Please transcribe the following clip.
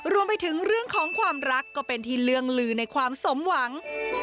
รวมไปถึงเรื่องของความรักก็เป็นที่เรื่องลือในความสมหวัง